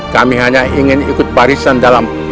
kami hanya ingin ikut barisan dalam